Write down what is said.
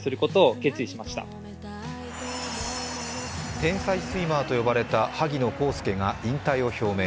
天才スイマーと呼ばれた萩野公介が引退を表明。